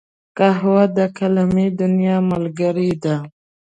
قهوه د قلمي دنیا ملګرې ده